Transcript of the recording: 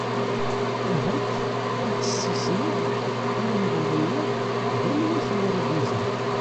Ahat ad tessissneḍ i yimeɣriyen-nneɣ d anwa-t Murad Mezri?